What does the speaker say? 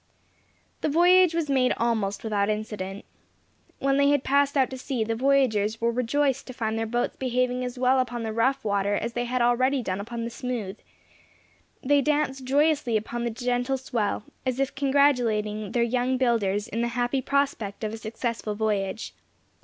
The voyage was made almost without incident. When they had passed out to sea, the voyagers were rejoiced to find their boats behaving as well upon the rough water as they had already done upon the smooth they danced joyously upon the gentle swell, as if congratulating their young builders in the happy prospect of a successful voyage.